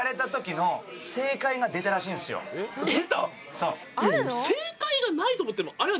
そう。